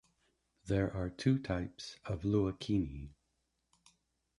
There are two types of luakini.